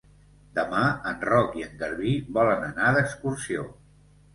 Demà en Roc i en Garbí volen anar d'excursió.